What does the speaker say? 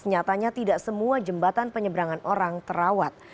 nyatanya tidak semua jembatan penyeberangan orang terawat